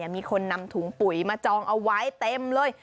มีคนนำถุงปุ๋ยมาจองเอาไว้เต็มเลย